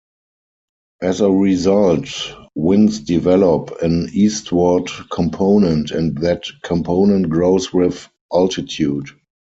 As a result, winds develop an eastward component and that component grows with altitude.